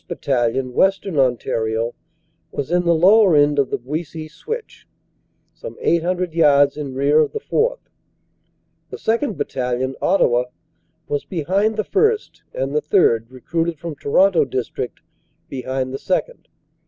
Battalion, Western Ontario, was in the lower end of the Buissy Switch, some eight hundred yards in rear of the 4th. The 2nd. Battalion, Ottawa, was behind the 1st. and the 3rd., recruited from Toronto district, behind the 2nd.